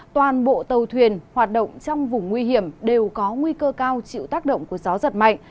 toàn bộ tàu thuyền hoạt động trong vùng nguy hiểm đều có nguy cơ cao chịu tác động của gió giật mạnh